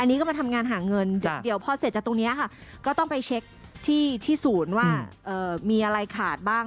อันนี้ก็มาทำงานหาเงินเดี๋ยวพอเสร็จจากตรงนี้ค่ะก็ต้องไปเช็คที่ศูนย์ว่ามีอะไรขาดบ้าง